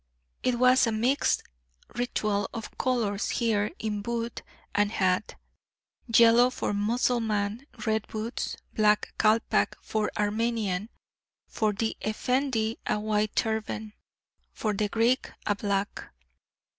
It was a mixed ritual of colours here in boot and hat: yellow for Mussulman, red boots, black calpac for Armenian, for the Effendi a white turban, for the Greek a black.